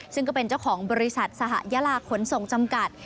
ซึ่งก็เป็นเจ้าของบริษัทสหยาลาขนส่งจำกัด